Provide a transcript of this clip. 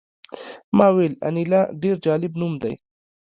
ما وویل انیلا ډېر جالب نوم دی